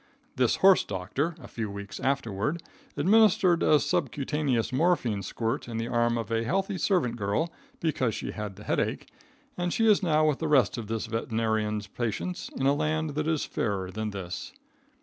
This horse doctor, a few weeks afterward, administered a subcutaneous morphine squirt in the arm of a healthy servant girl because she had the headache, and she is now with the rest of this veterinarian's patients in a land that is fairer than this.